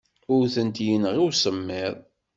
Ur tent-yenɣi usemmiḍ.